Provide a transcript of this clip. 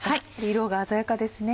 色が鮮やかですね。